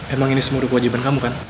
emang ini semua udah kewajiban kamu kan